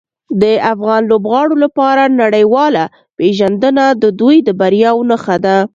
د افغان لوبغاړو لپاره نړیواله پیژندنه د دوی د بریاوو نښه ده.